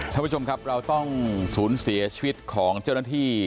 ท่านผู้ชมครับเราต้องสูญเสียชีวิตของเจ้าหน้าที่